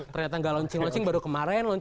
ternyata nggak launching launching baru kemarin